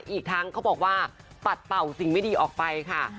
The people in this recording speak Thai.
อีกทั้งเขาบอกว่าปัดเป่าสิ่งไม่ดีออกไปค่ะ